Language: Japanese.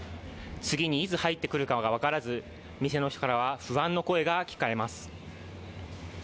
次にいつ入ってくるかが分からず、店の人からは不安の声が聞かれます。